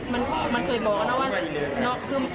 มันเคยบอกนะว่า